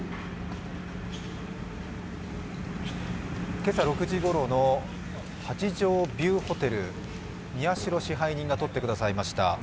今朝６時頃の八丈ビューホテル宮代支配人が撮ってくださいました。